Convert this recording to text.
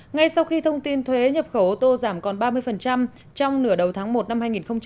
ngay sau khi thông tin thuế nhập khẩu ô tô giảm còn ba mươi trong nửa đầu tháng một năm hai nghìn hai mươi